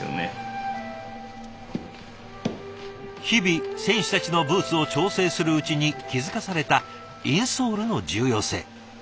日々選手たちのブーツを調整するうちに気付かされたインソールの重要性。